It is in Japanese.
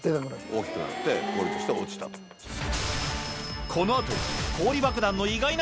大きくなって氷として落ちたと。